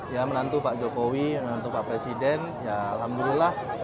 ya menantu pak jokowi menantu pak presiden ya alhamdulillah